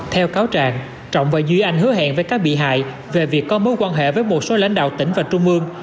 theo cáo trạng trọng và duy anh hứa hẹn với các bị hại về việc có mối quan hệ với một số lãnh đạo tỉnh và trung ương